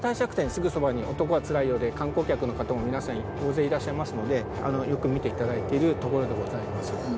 すぐそばに『男はつらいよ』で観光客の方も皆さん大勢いらっしゃいますのでよく見て頂いてる所でございます。